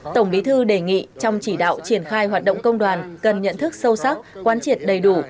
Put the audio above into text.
tổng bí thư đề nghị trong chỉ đạo triển khai hoạt động công đoàn cần nhận thức sâu sắc quan triệt đầy đủ